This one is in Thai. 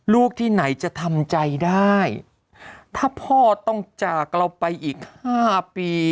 ลูกที่ไหนจะทำใจได้ถ้าพ่อต้องจากเราไปอีกห้าปี